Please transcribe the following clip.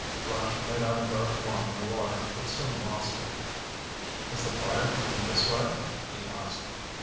Flash made out a dark form in the water but soon lost it. "Is the fire coming this way?" he asked.